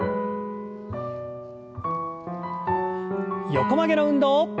横曲げの運動。